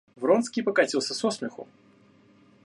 Вронский покатился со смеху.